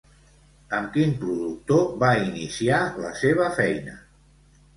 Amb quin productor va iniciar la seva feina?